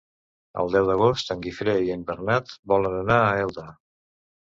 El deu d'agost en Guifré i en Bernat volen anar a Elda.